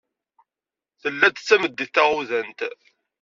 Tella-d d tameddit taɣudant.